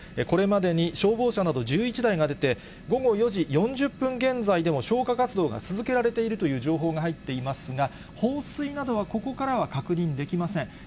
これまでに消防車など１１台が出て、午後４時４０分現在でも、消火活動が続けられているという情報が入っていますが、放水などはここからは確認できません。